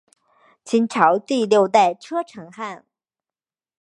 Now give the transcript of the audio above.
清朝第六代车臣汗。